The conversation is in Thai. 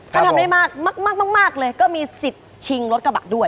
ถ้าทำได้มากเลยก็มีสิทธิ์ชิงรถกระบะด้วย